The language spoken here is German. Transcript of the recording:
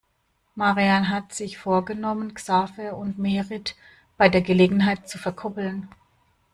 Marian hat sich vorgenommen, Xaver und Merit bei der Gelegenheit zu verkuppeln.